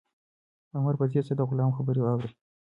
عمر په ځیر سره د غلام خبرې اوري.